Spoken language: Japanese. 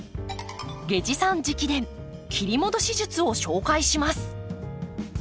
下司さん直伝切り戻し術を紹介します。